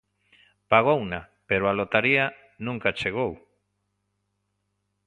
Pagouna, pero a lotaría nunca chegou.